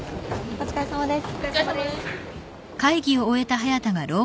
お疲れさまです。